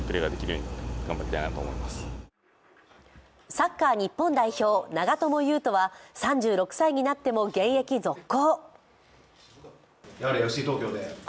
サッカー日本代表長友佑都は３６歳になっても現役続行。